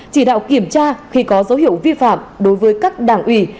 chỉ đạo kiểm tra khi có dấu hiệu vi phạm đối với các đảng ủy